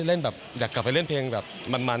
เล่นแบบอยากกลับไปเล่นเพลงแบบมัน